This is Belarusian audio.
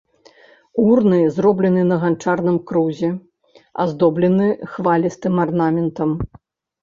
Урны зроблены на ганчарным крузе, аздоблены хвалістым арнаментам.